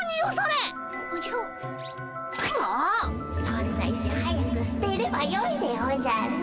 そんな石早くすてればよいでおじゃる。